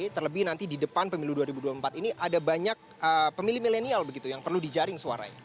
terlebih nanti di depan pemilu dua ribu dua puluh empat ini ada banyak pemilih milenial begitu yang perlu dijaring suaranya